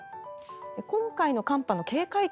今回の寒波の警戒点